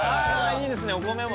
いいですねお米も。